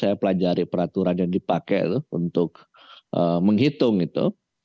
saya pelajari peraturan yang dipakai untuk menghitung itu